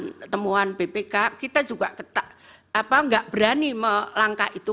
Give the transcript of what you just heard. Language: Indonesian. bapak ibu yang diberikan bpk kita juga enggak berani melangkah itu